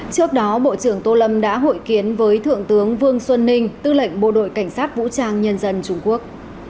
trước đó bộ trưởng tô lâm đã hội kiến với thượng tướng vương xuân ninh tư lệnh bộ đội cảnh sát vũ trang nhân dân trung quốc